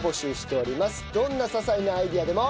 どんな些細なアイデアでも。